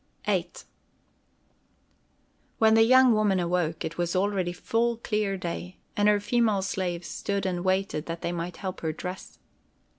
VIII When the young woman awoke, it was already full, clear day, and her female slaves stood and waited that they might help her dress.